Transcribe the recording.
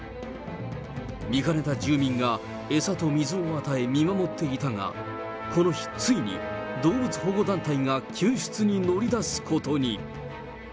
見かねた住人が餌と水を与え見守っていたが、この日、ついに動物保護団体が救出に乗り出すことに。